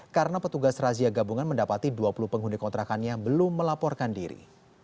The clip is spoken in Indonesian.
karena petugas razia gabungan mendapati dua puluh penghuni kontrakannya belum melaporkan diri